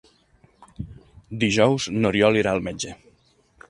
Dijous n'Oriol irà al metge.